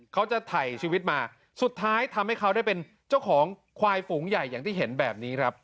เขาจะถ่ายชีวิตมาสุดท้ายทำให้เขาได้เป็นเจ้าของควายฝูงใหญ่อย่างที่เห็นแบบนี้ครับ